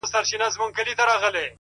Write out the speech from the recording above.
رڼا ترې باسم له څراغه !